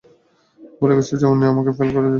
ভুলে গেছ যে উনি আমাকে ফেইল করিয়ে দিয়েছে?